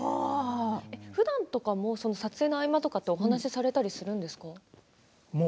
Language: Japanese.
ふだんとかも撮影の合間とかってお話されたりするんですか？